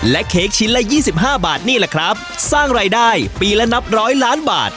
เค้กชิ้นละ๒๕บาทนี่แหละครับสร้างรายได้ปีละนับร้อยล้านบาท